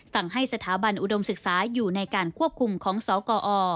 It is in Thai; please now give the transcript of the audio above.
สั่งให้สถาบันอุดมศึกษาอยู่ในการควบคุมของสกอ